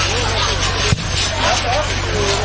กินกว่าอีกแล้วนะครับ